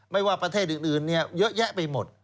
ไม่ว่าประเทศอื่นเยอะแยะไปหมด